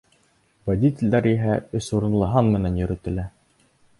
Водителдәр иһә өс урынлы һан менән йөрөтөлә.